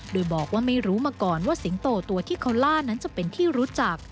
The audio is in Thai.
โดยบอกว่าไม่รู้มาก่อนว่าสิงโตตัวที่เขาล่านั้นจะเป็นที่รู้จัก